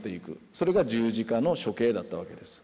それが十字架の処刑だったわけです。